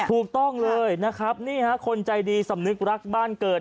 ถูกต้องเลยนะครับนี่ฮะคนใจดีสำนึกรักบ้านเกิด